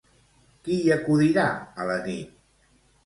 Qui hi acudirà a la nit?